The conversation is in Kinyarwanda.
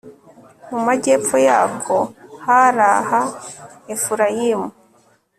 mu majyepfo yako hari aha efurayimu